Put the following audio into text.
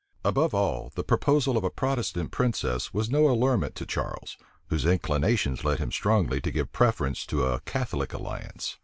Above all, the proposal of a Protestant princess was no allurement to Charles, whose inclinations led him strongly to give the preference to a Catholic alliance.